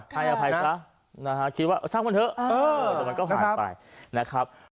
ถ่ายอภัยกับคิดว่าสร้างมันเถอะแต่มันก็หายไป